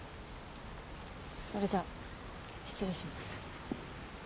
それじゃ失礼します。